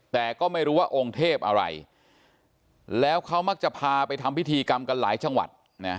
แต่ก็ไม่รู้ว่าองค์เทพอะไรแล้วเขามักจะพาไปทำพิธีกรรมกันหลายจังหวัด